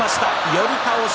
寄り倒し。